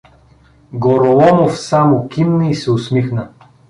Гороломов само климна и се усмихна.